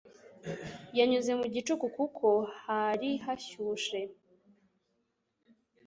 Yanyuze mu gicuku kuko hari hashyushe